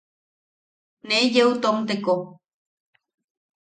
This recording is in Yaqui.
Ne yeu tomteko.